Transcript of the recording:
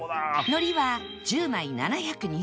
海苔は１０枚７２０円